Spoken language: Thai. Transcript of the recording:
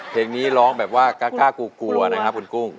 เพลงนี้ร้องแบบว่ากล้ากลัวนะครับคุณกุ้ง